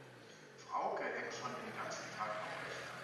Frauke hängt schon den ganzen Tag am Rechner.